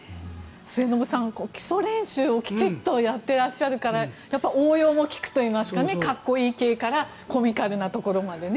末延さん、基礎練習をきちんとやってらっしゃるからやっぱり応用も利くといいますかかっこいい系からコミカルなところまでね。